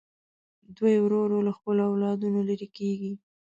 دوی ورو ورو له خپلو اولادونو لرې کېږي.